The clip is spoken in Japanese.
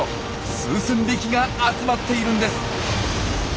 数千匹が集まっているんです！